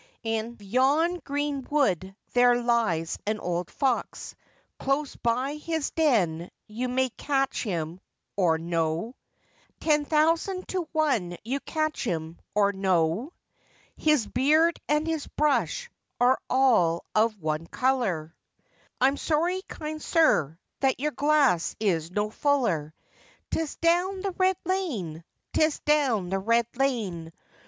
In yon green wood there lies an old fox, Close by his den you may catch him, or no; Ten thousand to one you catch him, or no. His beard and his brush are all of one colour,— [Takes the glass and empties it off. I am sorry, kind sir, that your glass is no fuller. 'Tis down the red lane! 'tis down the red lane!